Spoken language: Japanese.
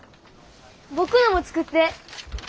僕のも作って。